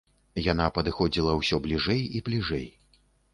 Яна падыходзіла ўсё бліжэй і бліжэй.